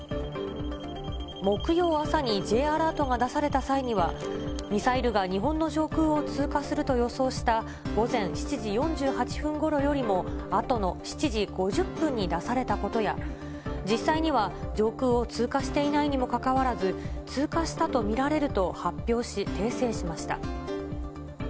木曜朝にＪアラートが出された際には、ミサイルが日本の上空を通過すると予想した午前７時４８分ごろよりもあとの７時５０分に出されたことや、実際には上空を通過していないにもかかわらず、通過したと見られると発表し、訂正しました。